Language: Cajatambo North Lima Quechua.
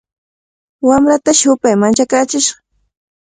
Wamratashi hupay manchakaachishqa.